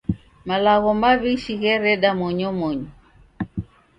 Malagho maw'ishi ghereda monyomonyo.